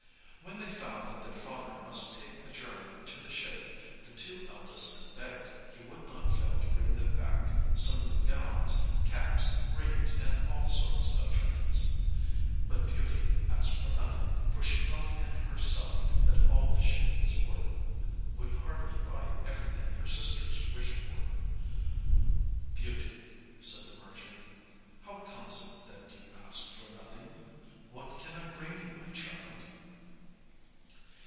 When they found that their father must take a journey to the ship, the two eldest begged he would not fail to bring them back some new gowns, caps, rings, and all sorts of trinkets. But Beauty asked for nothing; for she thought in herself that all the ship was worth would hardly buy everything her sisters wished for. "Beauty," said the merchant, "how comes it that you ask for nothing? What can I bring you, my child?"